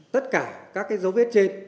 tất cả các cái dấu vết trên